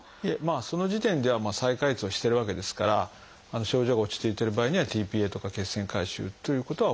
その時点では再開通をしてるわけですから症状が落ち着いてる場合にはｔ−ＰＡとか血栓回収ということは行いません。